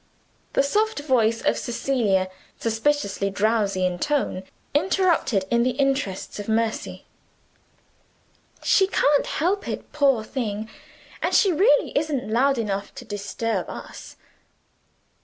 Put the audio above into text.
The soft voice of Cecilia suspiciously drowsy in tone interposed in the interests of mercy. "She can't help it, poor thing; and she really isn't loud enough to disturb us."